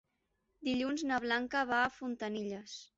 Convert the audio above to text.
Dilluns na Blanca va a Fontanilles.